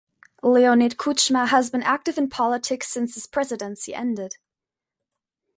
Leonid Kuchma has been active in politics since his presidency ended.